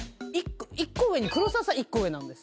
１個上に黒沢さん１個上なんです。